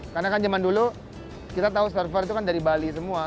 karena kan zaman dulu kita tahu surfer itu kan dari bali semua